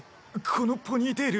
このポニーテール。